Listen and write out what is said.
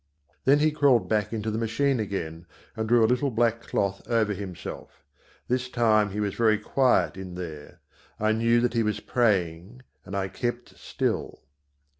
Then he crawled back into the machine again and drew a little black cloth over himself. This time he was very quiet in there. I knew that he was praying and I kept still.